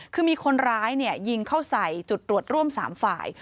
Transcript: คือมีคนร้ายยิงเข้าใส่จุดตรวจร่วม๓ฝ่าย